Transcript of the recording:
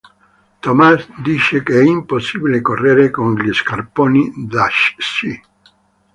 Tomas dice che è impossibile correre con gli scarponi da sci.